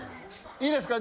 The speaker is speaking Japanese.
いいですか？